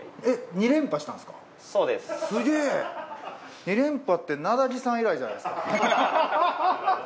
２連覇ってなだぎさん以来じゃないですか？